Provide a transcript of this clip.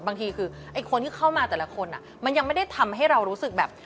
บางทีคือไอ้คนที่เข้ามาแต่ละคนมันยังไม่ได้ทำให้เรารู้สึกแบบ